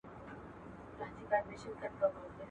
د لمانځنځایونو د پالونکو نجونو